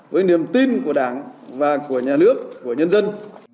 với niềm tin của đảng và của nhà nước của nhân dân